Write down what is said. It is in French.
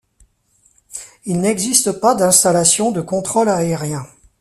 Il n'existe pas d'installation de contrôle aérien.